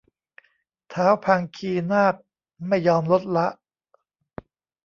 ท้าวพังคีนาคไม่ยอมลดละ